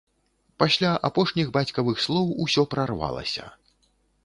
Пасля апошніх бацькавых слоў усё прарвалася.